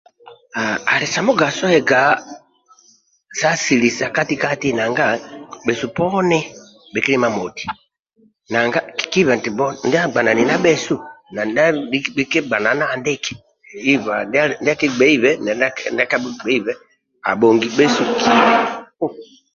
Ah ali sa mugaso ega sa asili sa kati kati nanga bhesu poni bhikili mamoti nanga kikihibaga ndia gbanani na bhesu na ndia bhikigbanana andiki iba ndia akigbeibe na ndia kabhugbeibe abhongi bhinjo.